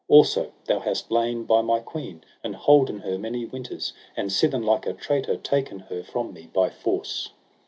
Also thou hast lain by my queen, and holden her many winters, and sithen like a traitor taken her from me by force.